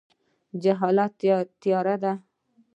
جهالت تیاره ده